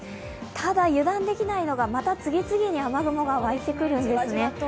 ただ、油断できないのがまた次々に雨雲が湧いてくるんですね。